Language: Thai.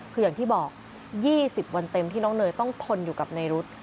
คืออย่างที่บอก๒๐วันเต็มที่น้องเนยต้องทนอยู่กับในรุธ